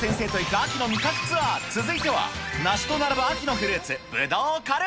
秋の味覚ツアー、続いては梨と並ぶ秋のフルーツ、ぶどうを狩る。